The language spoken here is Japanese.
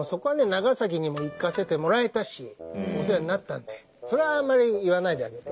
長崎にも行かせてもらえたしお世話になったんでそれはあんまり言わないであげて。